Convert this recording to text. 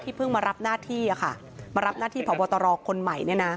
เพิ่งมารับหน้าที่มารับหน้าที่พบตรคนใหม่